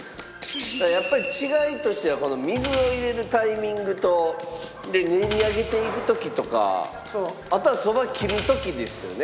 やっぱり違いとしては水を入れるタイミングと練り上げていく時とかあとはそばを切る時ですよね。